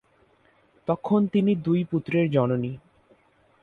তখন তিনি দুই পুত্রের জননী।